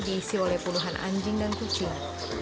sebelumnya dia diadopsi oleh puluhan anjing dan kucing